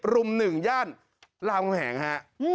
๑๐รุ่ม๑ย่านรามงแหงฮะ